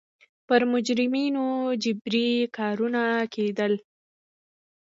پر مجرمینو جبري کارونه کېدل.